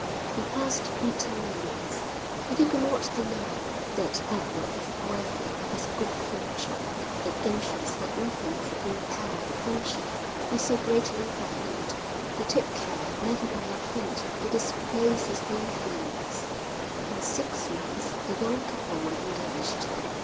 He passed bitter moments, but he could not deny that Edward was worthy of his good fortune, and, anxious that nothing should impair the friendship he so greatly valued, he took care never by a hint to disclose his own feelings. In six months the young couple were engaged.